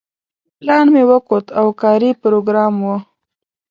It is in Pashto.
پلان مې وکوت او کاري پروګرام و.